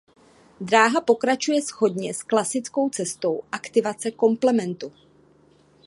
Dráha pokračuje shodně s klasickou cestou aktivace komplementu.